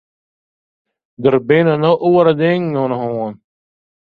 Der binne no oare dingen oan de hân.